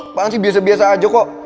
sekarang sih biasa biasa aja kok